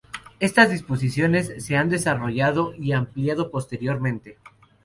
Estas disposiciones se han desarrollado y ampliado posteriormente.